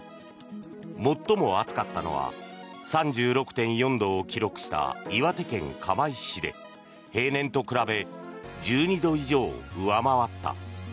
最も暑かったのは３６．４度を記録した岩手県釜石市で平年と比べ１２度以上上回った。